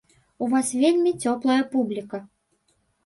У вас вельмі цёплая публіка!